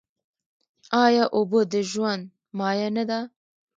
آیا اوبه د ژوند مایه نه ده؟